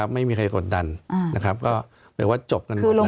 ไม่มีใครกดดันนะครับก็แปลว่าจบกันหมดแล้ว